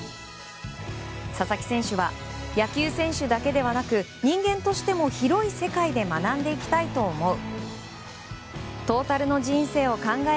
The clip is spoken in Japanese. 佐々木選手は野球選手だけではなく人間としても広い世界で学んでいきたいと思う